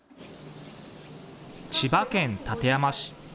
千葉県館山市。